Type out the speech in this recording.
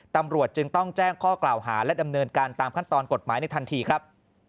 ตำรวจจึงต้องแจ้งข้อกล่าวหาและดำเนินการตามขั้นตอนกฎหมายในทันทีครับ